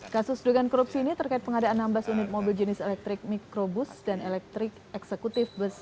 kasus dugaan korupsi ini terkait pengadaan enam belas unit mobil jenis elektrik mikrobus dan elektrik eksekutif bus